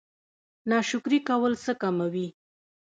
ناشکري کول څه کموي؟